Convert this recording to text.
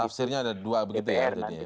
tafsirnya ada dua begitu ya